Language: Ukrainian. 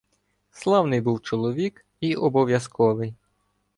Славний був чоловік і обов'язковий.